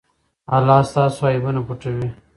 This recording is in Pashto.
الله ستاسو عیبونه پټوي.